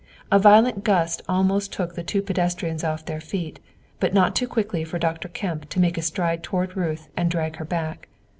A violent gust almost took the two pedestrians off their feet, but not too quickly for Dr. Kemp to make a stride toward Ruth and drag her back.